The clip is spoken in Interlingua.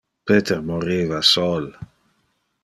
Peter moriva sol.